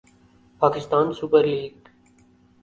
Pakistan super league